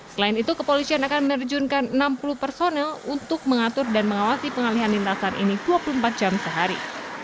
selain itu kepolisian akan menerjunkan enam puluh personel untuk mengatur dan mengawasi pengalihan lintasan ini dua puluh empat jam sehari